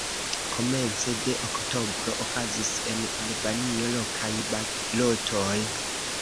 Komence de oktobro okazis en Albanio lokaj balotoj.